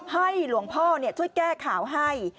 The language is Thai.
ให้หลวงพ่อช่วยแก้ข่าวให้